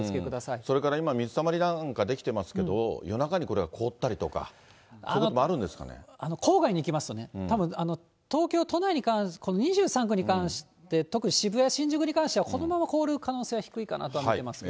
それから今、水たまりなんか出来てますけど、夜中にこれ凍ったりとか、郊外にいきますとね、たぶん、東京都内、２３区内に関して、特に渋谷、新宿に関しては、このまま凍る可能性は低いかなと思ってますけど。